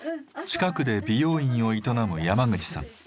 近くで美容院を営む山口さん。